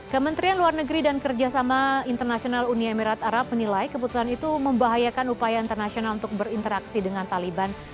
kementerian luar negeri dan kerjasama internasional uni emirat arab menilai keputusan itu membahayakan upaya internasional untuk berinteraksi dengan taliban